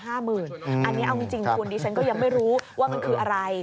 อันนี้เอาจริงคุณดิฉันก็ยังไม่รู้ว่ามันคืออะไร